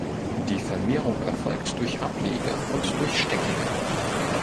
Die Vermehrung erfolgt durch Ableger und durch Stecklinge.